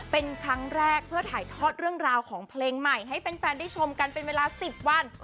เป็นครั้งแรกเพื่อถ่ายทอดเรื่องราวของเพลงใหม่ให้แฟนได้ชมกันเป็นเวลา๑๐วัน